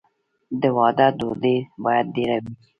د واده ډوډۍ باید ډیره وي.